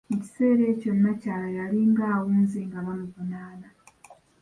Mu kiseera ekyo nnakyala yalinga awunze nga bamuvunaana.